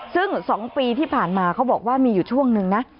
ซึ่ง๒ปีที่ผ่านมาเขาบอกว่ามีอยู่ช่วงนึงนะ